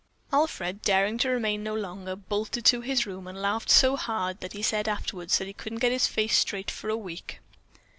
Alfred, daring to remain no longer, bolted to his room and laughed so hard that he said afterwards that he couldn't get his face straight for a week.